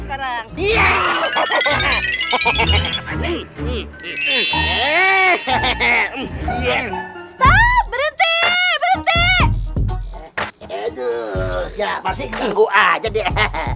aduh ya pasti tunggu aja deh